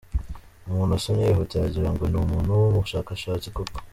Umuntu asomye yihuta yagira ngo ni umuntu w’umushakashatsi koko.